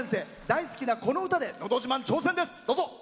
大好きなこの歌で「のど自慢」挑戦です。